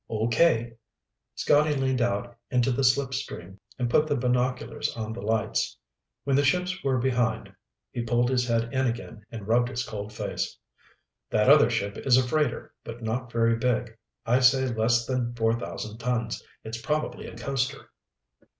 "Okay." Scotty leaned out into the slip stream and put the binoculars on the lights. When the ships were behind, he pulled his head in again and rubbed his cold face. "That other ship is a freighter, but not very big. I'd say less than four thousand tons. It's probably a coaster."